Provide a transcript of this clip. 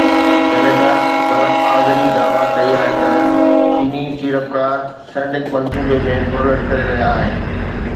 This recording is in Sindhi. سينيٽر سر آذري دعويٰ ڪئي آهي ته چيني سيڙپڪار سينڊڪ منصوبي ۾ ڦرلٽ ڪري رهيا آهن